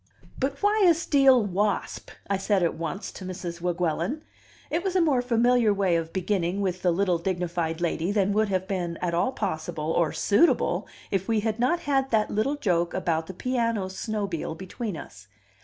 "But why a steel wasp?" I said at once to Mrs. Weguelin. It was a more familiar way of beginning with the little, dignified lady than would have been at all possible, or suitable, if we had not had that little joke about the piano snobile between us.